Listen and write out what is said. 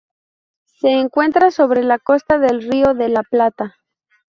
Se encuentra sobre la costa del Río de la Plata.